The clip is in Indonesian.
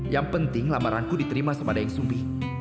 yang penting lamaranku diterima sama daeng sumbi